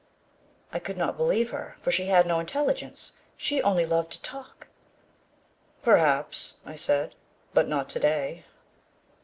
I could not believe her, for she had no intelligence. She only loved to talk. "Perhaps," I said, "but not today."